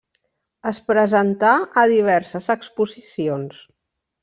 Es presentà a diverses exposicions.